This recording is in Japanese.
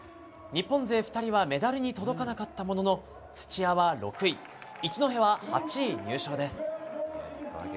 日本勢２人はメダルに届かなかったものの土屋は６位、一戸は８位入賞です。